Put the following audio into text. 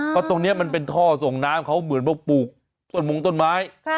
เพราะตรงนี้มันเป็นท่อส่งน้ำเขาเหมือนว่าปลูกต้นมงต้นไม้